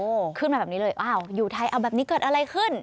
ขึ้นมาแบบนี้เลยอ้าวอยู่ไทยเอาแบบนี้เกิดอะไรขึ้น